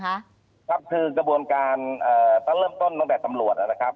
ครับครับคือกระบวนการเอ่อเริ่มต้นตั้งแต่ตำรวจนะครับ